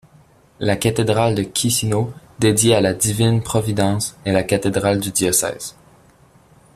La cathédrale de Chişinău, dédiée à la Divine Providence, est la cathédrale du diocèse.